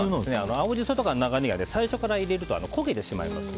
青ジソとか長ネギは最初から入れると焦げてしまいます。